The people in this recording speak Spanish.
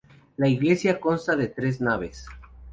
La iglesia consta de tres naves.